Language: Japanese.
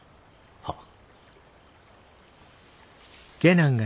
はっ。